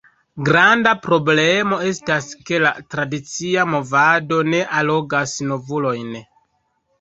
Granda problemo estas ke la tradicia movado ne allogas novulojn.